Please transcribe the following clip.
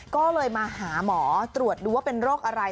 ก็เลยมาหาหมอตรวจดูว่าเป็นโรคอะไร